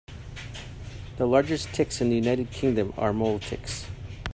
The largest ticks in the United Kingdom are mole ticks.